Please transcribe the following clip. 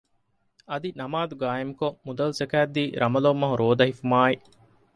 އަދި ނަމާދު ޤާއިމުކޮށް މުދަލު ޒަކާތް ދީ ރަމަޟާން މަހު ރޯދަ ހިފުުމާއި